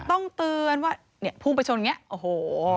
ต้องเตือนว่าเนี่ยพุ่งไปชนอย่างนี้โอ้โห